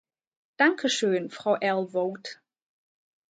Danke schön, Frau Aelvoet .